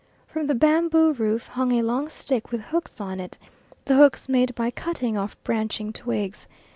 From the bamboo roof hung a long stick with hooks on it, the hooks made by cutting off branching twigs.